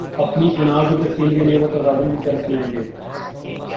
اپنی انا کی تسکین کے لیے وہ تصادم کی طرف جائیں گے۔